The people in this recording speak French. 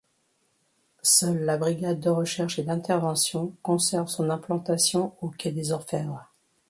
Seule la Brigade de recherche et d'intervention conserve son implantation au quai des Orfèvres.